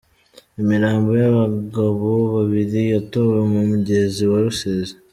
: Imirambo y’abagabo babiri yatowe mu mugezi wa Rusizi